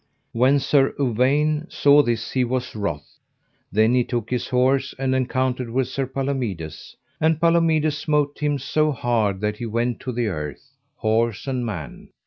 When Sir Uwaine saw this he was wroth. Then he took his horse and encountered with Sir Palomides, and Palomides smote him so hard that he went to the earth, horse and man.